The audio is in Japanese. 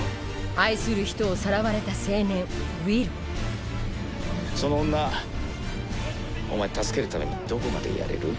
愛する人をさらわれた青年ウィルその女お前助けるためにどこまでやれる？